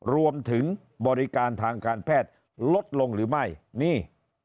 รวมถึงบริการทางการแพทย์ลดลงหรือไม่นี่